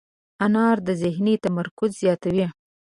انار د ذهني تمرکز زیاتوي.